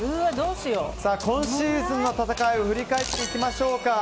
今シーズンの戦いを振り返っていきましょうか。